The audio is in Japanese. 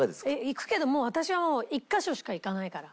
行くけどもう私は１カ所しか行かないから。